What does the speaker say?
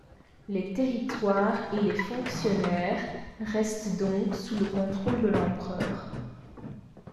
Les territoires et les fonctionnaires restent donc sous le contrôle de l'empereur.